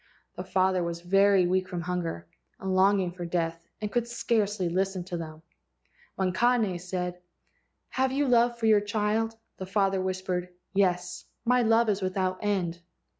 The father was very weak from hunger, and long¬ ing for death, and could scarcely listen to them. When Kane said, "Have you love for your child?" the father whispered: "Yes. 1 My love is without end."